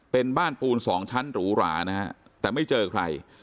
เป็นบ้านปูนสองชั้นหรูหรานะฮะแต่ไม่เจอใคร